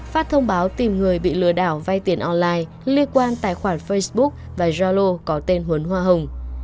phát thông báo tìm người bị lừa đảo vay tiền online liên quan tài khoản facebook và yalo có tên huấn hoa hồng